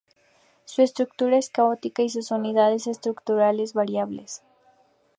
Su estructura es caótica y sus unidades estructurales variables.